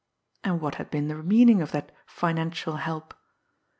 And what had been the meaning of that "financial help"?